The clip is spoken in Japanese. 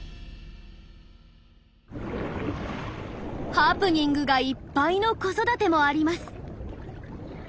ハプニングがいっぱいの子育てもあります。